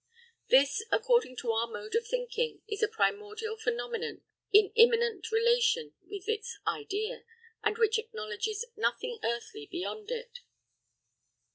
This, according to our mode of thinking, is a primordial phenomenon in immediate relation with its idea, and which acknowledges nothing earthly beyond it.